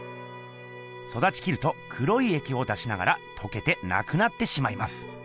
そだちきると黒いえきを出しながらとけてなくなってしまいます。